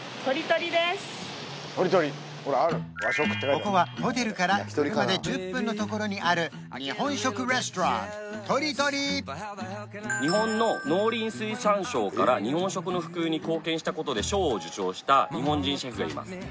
ここはホテルから車で１０分のところにある日本食レストランとりとり日本の農林水産省から日本食の普及に貢献したことで賞を受賞した日本人シェフがいます